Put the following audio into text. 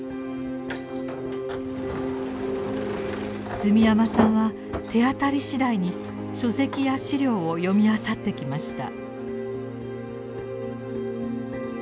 住山さんは手当たり次第に書籍や資料を読みあさってきました。